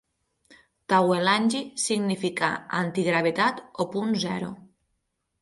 Tauelangi significa anti-gravetat o Punt cero.